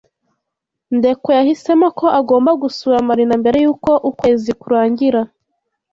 Ndekwe yahisemo ko agomba gusura Marina mbere yuko ukwezi kurangira.